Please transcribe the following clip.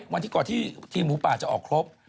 วันที่ก่อนที่ทีมหมูป่าจะออกครบ